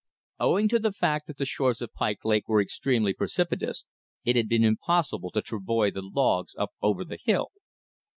Owing to the fact that the shores of Pike Lake were extremely precipitous, it had been impossible to travoy the logs up over the hill.